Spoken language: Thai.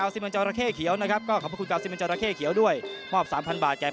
สุริยัลเล็กก็ต่อยหมัด